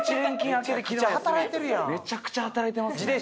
めちゃくちゃ働いてますね。